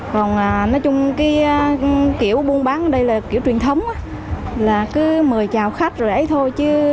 còn nói chung kiểu buôn bán ở đây là kiểu truyền thống là cứ mời chào khách rồi ấy thôi